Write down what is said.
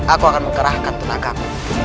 aku akan mengkerahkan tenagamu